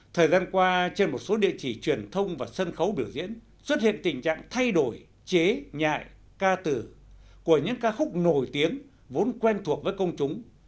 thời gian qua trên một số địa chỉ truyền thông và sân khấu biểu diễn xuất hiện tình trạng thay đổi chế nhạy ca từ của những ca khúc nổi tiếng vốn quen thuộc với công chúng